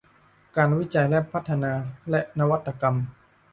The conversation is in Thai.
การวิจัยและพัฒนาและนวัตกรรม